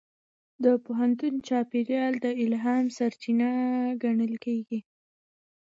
د پوهنتون چاپېریال د الهام سرچینه ګڼل کېږي.